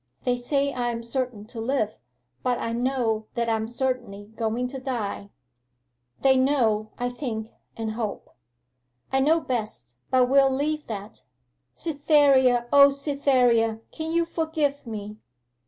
'They say I am certain to live; but I know that I am certainly going to die.' 'They know, I think, and hope.' 'I know best, but we'll leave that. Cytherea O Cytherea, can you forgive me!